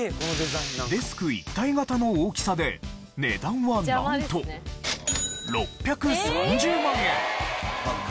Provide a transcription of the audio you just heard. デスク一体型の大きさで値段はなんと６３０万円！